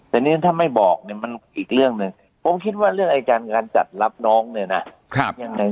แต่นี่ถ้าไม่บอกเนี่ยมันอีกเรื่องหนึ่งผมคิดว่าเรื่องไอ้การงานจัดรับน้องเนี่ยนะ